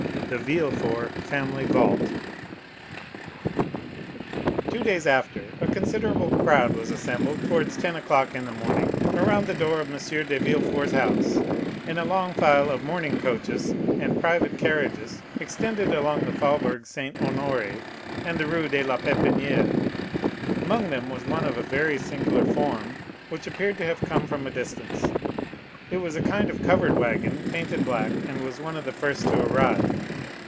The Villefort Family Vault Two days after, a considerable crowd was assembled, towards ten o'clock in the morning, around the door of M. de Villefort's house, and a long file of mourning coaches and private carriages extended along the Faubourg Saint Honoré and the Rue de la Pépinière. Among them was one of a very singular form, which appeared to have come from a distance. It was a kind of covered wagon, painted black, and was one of the first to arrive.